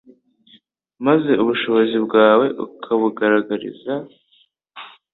maze ubushobozi bwawe ukabugaragariza